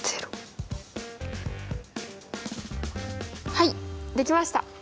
はいできました！